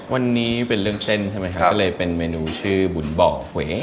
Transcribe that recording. วันนี้เป็นเรื่องเส้นใช่ไหมครับก็เลยเป็นเมนูชื่อบุญเบาะเว